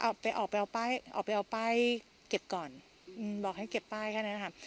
ออกไปออกไปเอาป้ายออกไปเอาป้ายเก็บก่อนอืมบอกให้เก็บป้ายแค่นั้นค่ะ